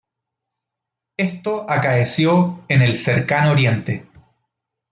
Esto acaeció en el Cercano Oriente.